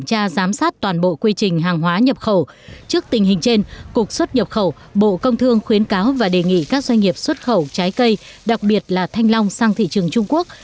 trước khi kiểm tra giám sát toàn bộ quy trình hàng hóa nhập khẩu trước tình hình trên cục xuất nhập khẩu bộ công thương khuyến cáo và đề nghị các doanh nghiệp xuất khẩu trái cây đặc biệt là thanh long sang thị trường trung quốc